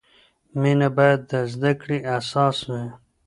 مینه باید د زده کړې اساس وي.